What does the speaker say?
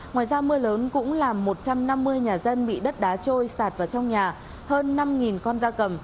ngoài ra mưa lớn cũng làm một trăm năm mươi nhà dân bị đất đá trôi sạt vào trong nhà hơn năm con da cầm